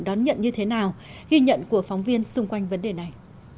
đón nhận như thế nào ghi nhận của phóng viên xung quanh vấn đề này